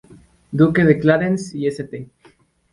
Duque de Clarence y St.